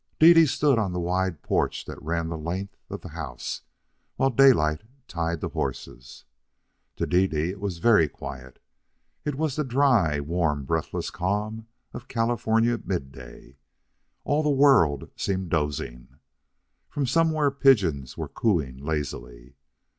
Dede stood on the wide porch that ran the length of the house while Daylight tied the horses. To Dede it was very quiet. It was the dry, warm, breathless calm of California midday. All the world seemed dozing. From somewhere pigeons were cooing lazily.